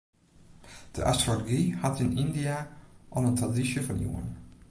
De astrology hat yn Yndia al in tradysje fan iuwen.